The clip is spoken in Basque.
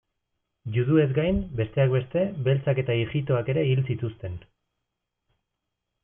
Juduez gain, besteak beste, beltzak eta ijitoak ere hil zituzten.